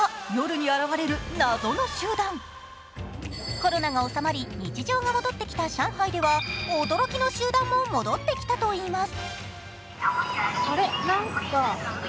コロナが収まり、日常が戻ってきた上海では驚きの集団も戻ってきたといいます。